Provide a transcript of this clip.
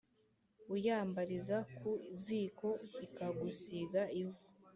Uyambariza ku ziko ikagusiga ivu.